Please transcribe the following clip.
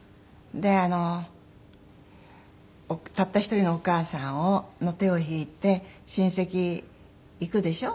でたった一人のお母さんの手を引いて親戚行くでしょ？